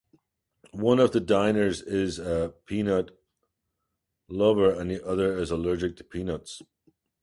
One of the diners is a peanut-lover, and the other is allergic to peanuts.